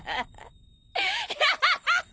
ハハハハ！